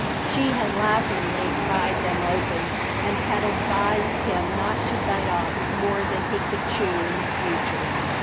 She had laughingly pried them open, and had advised him not to bite off more than he could chew in the future.